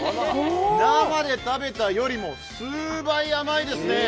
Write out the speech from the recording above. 生で食べたよりも数倍甘いですね。